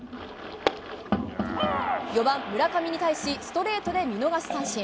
４番、村上に対しストレートで見逃し三振。